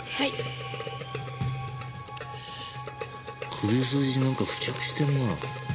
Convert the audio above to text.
首筋になんか付着してるなぁ。